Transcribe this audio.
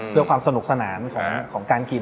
เพื่อความสนุกสนานของการกิน